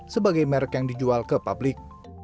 sebagai merek yang dijual ke publik